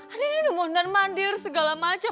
adi ini udah mau undan mandir segala macam